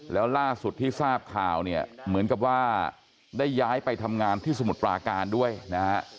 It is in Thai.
แล้วล่าสุดที่ทราบข่าวเนี่ยเหมือนกับว่าได้ย้ายไปทำงานที่สมุทรปราการด้วยนะฮะ